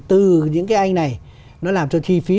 từ những cái anh này nó làm cho chi phí